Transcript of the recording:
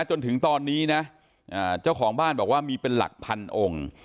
จนถึงตอนนี้นะเจ้าของบ้านบอกว่ามีเป็นหลักพันองค์